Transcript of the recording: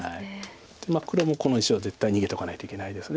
黒もこの石を絶対逃げとかないといけないです。